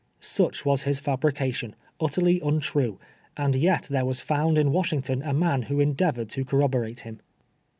Such was his fal)rication, ut terly untrue, and yet there was found in "Washington a man who endeavored to corroborate him.